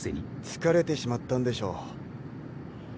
疲れてしまったんでしょう。